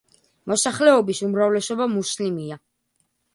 მოსახლეობის უმრავლესობა მუსლიმია.